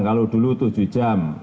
kalau dulu tujuh jam